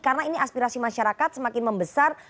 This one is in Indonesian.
karena ini aspirasi masyarakat semakin membesar